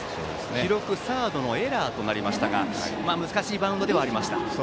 記録はサードのエラーとなりましたが難しいバウンドではありました。